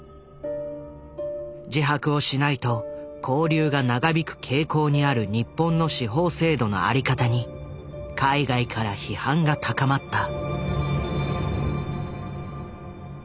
自白をしないと勾留が長引く傾向にある日本の司法制度の在り方に海外から批判が高まった。